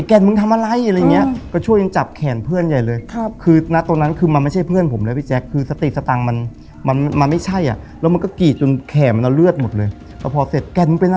ไอ้เพื่อนก็บอก